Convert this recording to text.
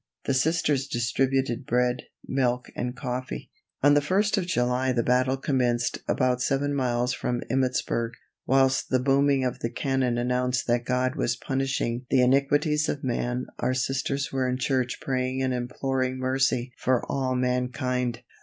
The Sisters distributed bread, milk and coffee. On the 1st of July the battle commenced about seven miles from Emmittsburg. Whilst the booming of the cannon announced that God was punishing the iniquities of man our Sisters were in church praying and imploring mercy for all mankind.